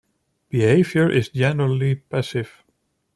Behavior is generally passive.